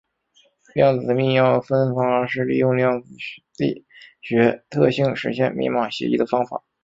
量子密钥分发是利用量子力学特性实现密码协议的方法。